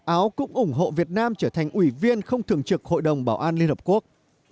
áo cũng ủng hộ việt nam trở thành ủy viên không thường trực hội đồng bảo an liên hợp quốc